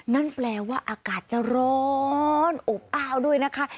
นั่นแปลว่าอากาศจะร้อนอบอ้าวด้วยนะคะ